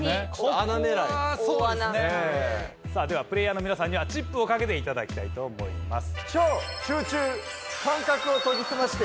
・穴狙い・さあではプレーヤーの皆さんにはチップを賭けていただきたいと思います。